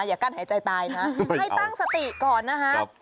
อย่ากั้นหายใจตายนะให้ตั้งสติก่อนนะคะ